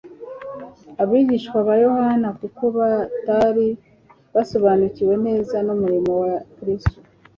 Abigishwa ba Yohana kuko batari basobanukiwe neza n'umurimo wa Kristo,